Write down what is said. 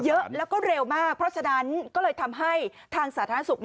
เยอะแล้วก็เร็วมากเพราะฉะนั้นก็เลยทำให้ทางสาธารณสุข